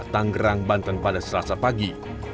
tanggerang banten pada selasa pagi